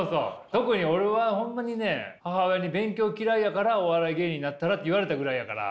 特に俺はホンマにね母親に「勉強嫌いやからお笑い芸人になったら？」って言われたぐらいやから。